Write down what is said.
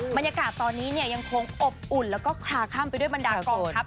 บรรยากาศตอนนี้เนี่ยยังคงอบอุ่นแล้วก็คลาข้ามไปด้วยบรรดากองทัพ